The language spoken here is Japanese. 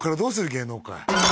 芸能界